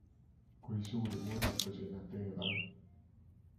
Kui suuri muudatusi nad teinud on.